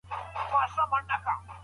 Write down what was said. تیاره هر ځای نیسي.